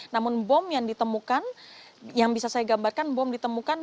namun bom yang ditemukan yang bisa saya gambarkan bom ditemukan